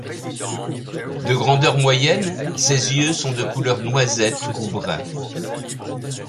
De grandeur moyenne, ses yeux sont de couleur noisette ou brun.